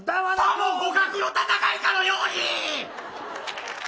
さも互角の戦いかのように。